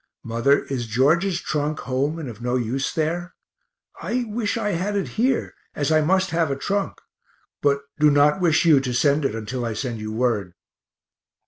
Mother, is George's trunk home and of no use there? I wish I had it here, as I must have a trunk but do not wish you to send until I send you word.